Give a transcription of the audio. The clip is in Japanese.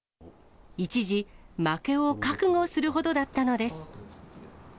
一時、負けを覚悟するほどだったのです。